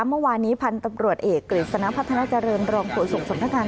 เมื่อวานี้พันธุ์ตำลวดเอกศรีสระพัฒนาเจริญรองโหนส่งสมทการ